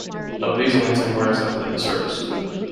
Of these only ten were accepted into service.